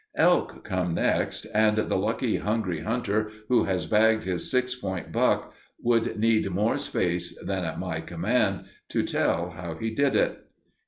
Elk come next, and the lucky hungry hunter who has bagged his "six point" buck would need more space than at my command to tell how he did it.